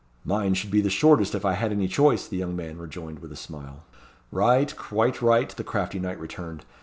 "Mine should be the shortest if I had any choice," the young man rejoined with a smile. "Right, quite right," the crafty knight returned.